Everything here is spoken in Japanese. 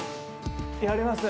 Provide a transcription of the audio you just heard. やります